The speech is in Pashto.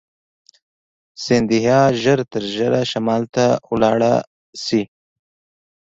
سیندهیا ژر تر ژره شمال ته ولاړ شي.